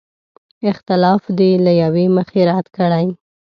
اختلاف دې له یوې مخې رد کړي.